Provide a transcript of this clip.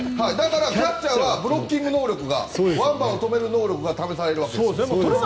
キャッチャーはブロッキング能力がワンバウンド、止める能力が試されます。